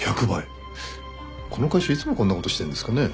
この会社いつもこんな事してるんですかね？